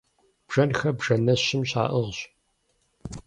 Бжэнхэр бжэнэщым щаӏыгъщ.